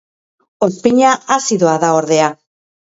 Ozpina azidoa da, ordea.